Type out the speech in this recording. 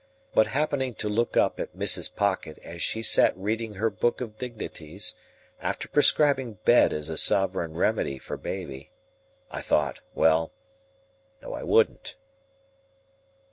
But happening to look up at Mrs. Pocket as she sat reading her book of dignities after prescribing Bed as a sovereign remedy for baby, I thought—Well—No, I wouldn't.